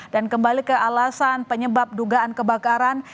dan kembali ke alasan penyebab dugaan kebakaran